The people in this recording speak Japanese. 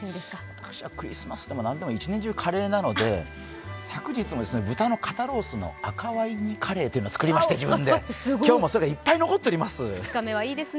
私はクリスマスでも何でも一年中カレーなので、昨日も豚の肩ロースの赤ワインソースというのを自分で作りまして、今日もそれ、いっぱい残っております。